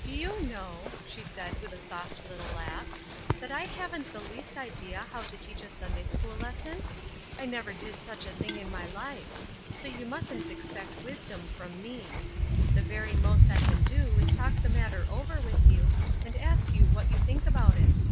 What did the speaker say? "Do you know," she said, with a soft little laugh, "that I haven't the least idea how to teach a Sunday school lesson? I never did such a thing in my life; so you mustn't expect wisdom from me. The very most I can do is to talk the matter over with you, and ask you what you think about it."